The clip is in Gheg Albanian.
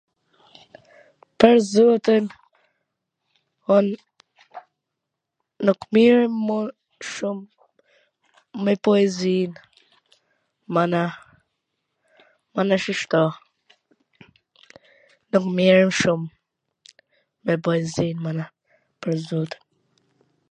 pwr zotin, un nuk mirrem shum me poezi, mana, mana shif kto, nuk mirrem shum me poezi, mana, pwr zotin